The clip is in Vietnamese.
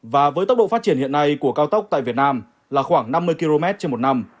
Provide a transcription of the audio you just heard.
và với tốc độ phát triển hiện nay của cao tốc tại việt nam là khoảng năm mươi km trên một năm